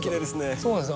そうなんですよ。